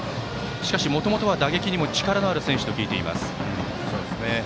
しかしもともとは打撃にも力がある選手と聞いています。